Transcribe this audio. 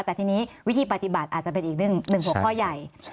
แต่ทีนี้วิธีปฏิบัติอาจจะเป็นอีกหนึ่งหัวข้อใหญ่